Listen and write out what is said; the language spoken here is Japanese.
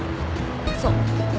そう。